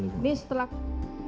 baru di dalam ransel